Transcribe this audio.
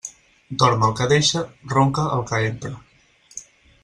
Dorm el que deixa, ronca el que empra.